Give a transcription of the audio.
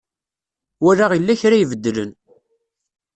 Walaɣ yella kra ibeddlen.